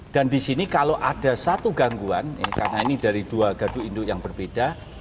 dan disini kalau ada satu gangguan karena ini dari dua gadu induk yang berbeda